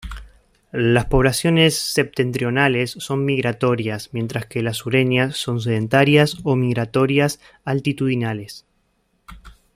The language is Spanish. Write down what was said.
Las poblaciones septentrionales son migratorias, mientras que las sureñas son sedentarias o migratorias altitudinales.